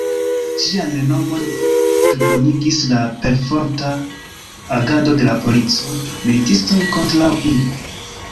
Ĝian renomon plibonigis la perforta agado de la polico, militistoj kontraŭ ili.